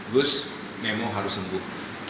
gus memo harus sembuh